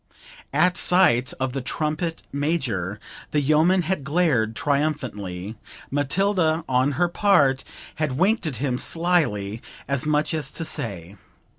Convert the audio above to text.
At sight of the trumpet major the yeoman had glared triumphantly; Matilda, on her part, had winked at him slily, as much as to say